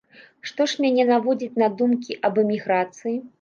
Што ж мяне наводзіць на думкі аб эміграцыі?